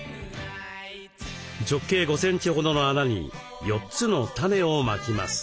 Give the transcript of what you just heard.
直径５センチほどの穴に４つのタネをまきます。